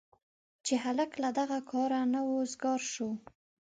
چې هلک له دغه کاره نه وزګار شو.